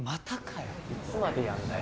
いつまでやんだよ。